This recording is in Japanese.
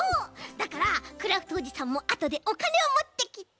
だからクラフトおじさんもあとでおかねをもってきて。